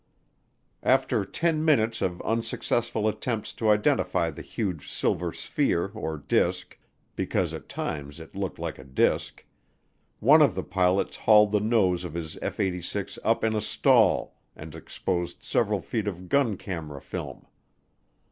After ten minutes of unsuccessful attempts to identify the huge silver sphere or disk because at times it looked like a disk one of the pilots hauled the nose of his F 86 up in a stall and exposed several feet of gun camera film.